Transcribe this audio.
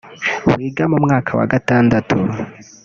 wiga mu mwaka wa gatandatu